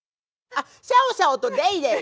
あっシャオシャオとレイレイ。